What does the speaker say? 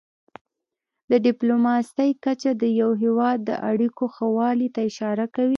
د ډيپلوماسی کچه د یو هېواد د اړیکو ښهوالي ته اشاره کوي.